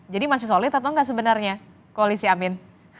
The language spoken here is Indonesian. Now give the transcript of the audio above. masih solid atau enggak sebenarnya koalisi amin